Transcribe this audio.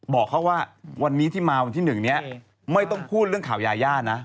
บอกเขาว่าวันนี้ที่มาวันที่๑นี้ไม่ต้องพูดเรื่องข่าวยาย่านะ